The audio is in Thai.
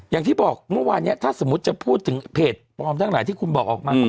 อย่างที่บอกเมื่อวานนี้ถ้าสมมุติจะพูดถึงเพจปลอมทั้งหลายที่คุณบอกออกมา